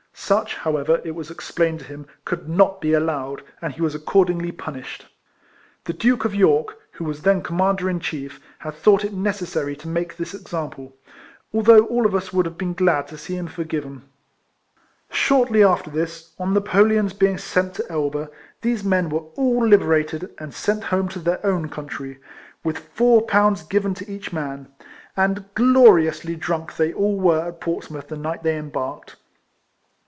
Such, however, it was explained to him, could not be allowed, and he was accord ingly punished. The Duke of York, who 282 IIIFLE.AIAN HARRIS. was then Commander in Chief, had thought it necessary to make this example, although all of us would have been glad to see him forgiven. Shortly after this, on Napoleon's being sent to Elba, these men were all liberated and sent home to their own country, with four pounds given to each man; and glori ously drunk they all were at Portsmouth the night they embarked.